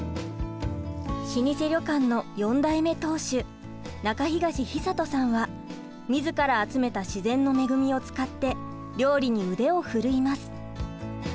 老舗旅館の４代目当主中東久人さんは自ら集めた自然の恵みを使って料理に腕を振るいます。